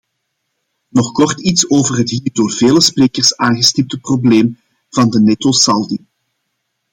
Nog kort iets over het hier door vele sprekers aangestipte probleem van de nettosaldi.